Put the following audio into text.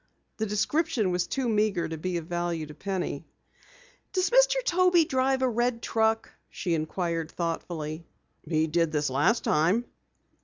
The description was too meagre to be of value to Penny. "Does Mr. Toby drive a red truck?" she inquired thoughtfully. "He did this last time."